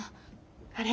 あれ？